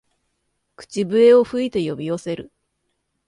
口笛を吹いて呼び寄せる